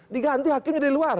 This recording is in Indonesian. diganti hakimnya dari luar